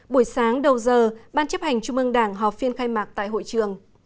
buổi sáng đầu giờ ban chấp hành trung ương đảng họp phiên khai mạc tại hội trường